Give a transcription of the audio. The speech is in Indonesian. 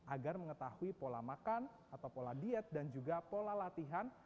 agar mengetahui pola makan atau pola diet dan juga pola latihan